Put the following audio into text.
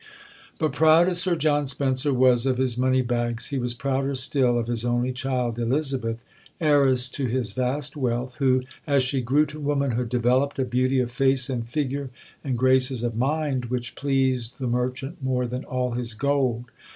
But proud as Sir John Spencer was of his money bags, he was prouder still of his only child, Elizabeth, heiress to his vast wealth, who, as she grew to womanhood, developed a beauty of face and figure and graces of mind which pleased the merchant more than all his gold.